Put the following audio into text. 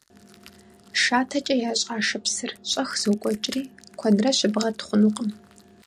ШатэкӀэ ящӀа шыпсыр щӀэх зокӀуэкӀри, куэдрэ щыбгъэт хъунукъым.